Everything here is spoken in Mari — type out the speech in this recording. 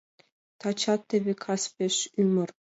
Тачат теве кас пеш умыр.